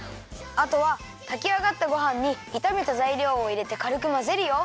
あとはたきあがったごはんにいためたざいりょうをいれてかるくまぜるよ。